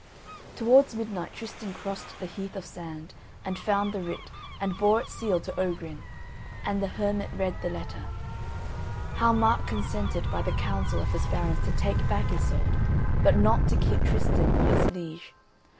Towards midnight Tristan crossed the Heath of Sand, and found the writ, and bore it sealed to Ogrin; and the hermit read the letter; "How Mark consented by the counsel of his barons to take back Iseult, but not to keep Tristan for his liege.